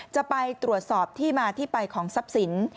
จะไปตรวจสอบที่มาที่ไปของทรัพย์สิน